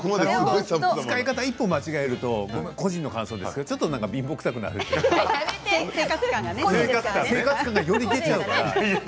使い方を一歩間違えると個人の感想ですが貧乏くさくなるというか生活感が、より出ちゃうから。